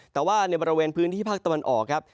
แต่ว่าในบริเวณพื้นที่ภาคตะวันออกครับ